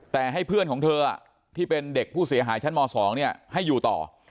แต่ให้เพื่อนของเธอที่เป็นเด็กผู้เสียหายชั้นม๒ให้อยู่ต่อ